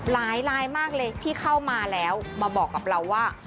ลายมากเลยที่เข้ามาแล้วมาบอกกับเราว่า